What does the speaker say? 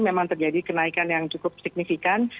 memang terjadi kenaikan yang cukup signifikan